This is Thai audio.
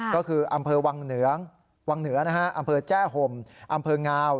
ก็คืออำเภอวังเหนืออำเภอแจ้ห่มอำเภองาว